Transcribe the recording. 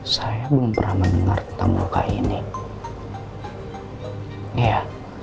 saya belum pernah mendengar tentang muka ini ya